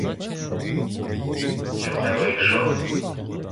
Ще б не вийшов.